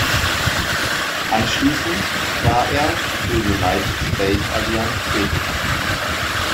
Anschließend war er für United Space Alliance tätig.